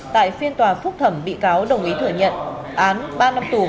tại phiên tòa phúc thẩm bị cáo đồng ý thừa nhận án ba năm tù